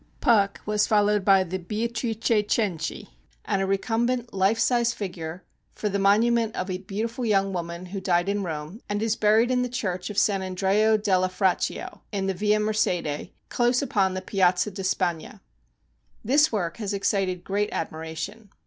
" Puck" was followed by the u Beatrice Cenci,' ; and a recumbent life size figure for the monument of a beautiful young wo man, who died in Rome, and is buried in the church of San Andreo della Fratteo, in the Via Mercede, close upon the Piazza di Spagna. This work has excited great admiration.